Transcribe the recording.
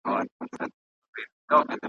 یو شمس الدین وم په کندهار کي .